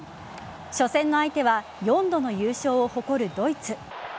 初戦の相手は４度の優勝を誇るドイツ。